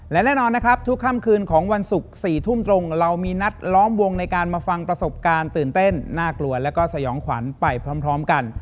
และแน่นอนนะครับทุกค่ำคืนของวันศุกร์๔ทุ่มตรงเรามีนัดล้อมวงในการมาฟังประสบการณ์ตื่นเต้นน่ากลัวแล้วก็สยองขวัญไปพร้อมกัน